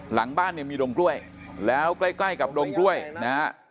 หลังบ้านมีดงกล้วยแล้วใกล้กับดงกล้วยนะฮะ